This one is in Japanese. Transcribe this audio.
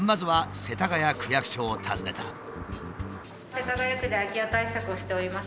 世田谷区で空き家対策をしております